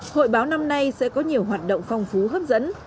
hội báo năm nay sẽ có nhiều hoạt động phong phú hấp dẫn